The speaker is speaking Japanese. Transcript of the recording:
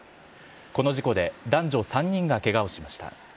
この事故で男女３人がけがをしました。